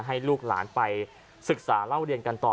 ให้ลูกหลานไปศึกษาเล่าเรียนกันต่อ